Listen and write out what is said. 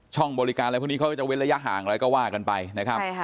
บริการอะไรพวกนี้เขาก็จะเว้นระยะห่างอะไรก็ว่ากันไปนะครับ